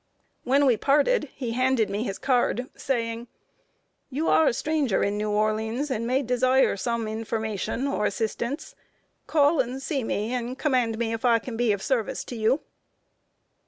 When we parted, he handed me his card, saying: "You are a stranger in New Orleans, and may desire some information or assistance. Call and see me, and command me, if I can be of service to you."